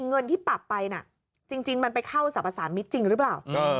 เงินที่ปรับไปน่ะจริงมันไปเข้าสรรพสารมิตรจริงหรือเปล่า